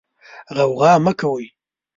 غوغا مه کوئ.